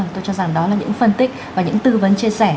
tôi cho rằng đó là những phân tích và những tư vấn chia sẻ